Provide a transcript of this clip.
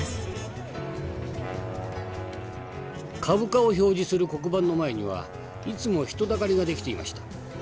「株価を表示する黒板の前にはいつも人だかりが出来ていました。